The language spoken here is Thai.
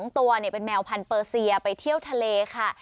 ๒ตัวเป็นแมวพันธเปอร์เซียไปเที่ยวทะเลค่ะ